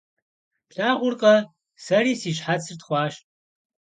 Плъагъуркъэ, сэри си щхьэцыр тхъуащ.